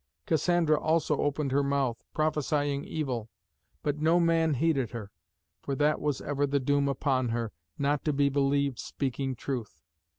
Cassandra also opened her mouth, prophesying evil: but no man heeded her, for that was ever the doom upon her, not to be believed speaking truth.